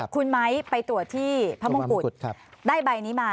คุณไม้ไปตรวจที่พระมงกุฎได้ใบนี้มา